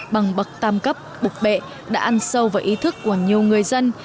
bằng bậc tam cấp bục bệ đã ăn sâu vào ý thức của nhiều người dân